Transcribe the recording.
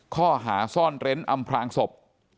ข้อหาซ่อนเร้นอำพลางศพ